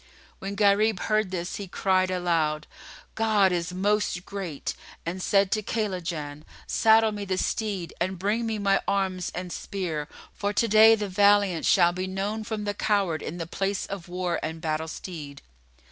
When Gharib heard this, he cried aloud, "God is Most Great!" and said to Kaylajan, "Saddle me the steed and bring me my arms and spear; for to day the valiant shall be known from the coward in the place of war and battle stead."